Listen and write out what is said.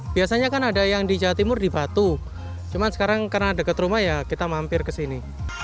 biasanya kan ada yang di jawa timur dibatu cuman sekarang karena deket rumah ya kita mampir kesini